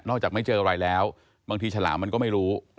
จากไม่เจออะไรแล้วบางทีฉลามมันก็ไม่รู้